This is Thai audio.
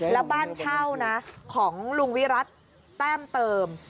และบ้านเช่าของลุงวิรัตน์แป้มเติม